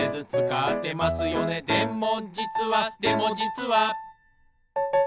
「でもじつはでもじつは」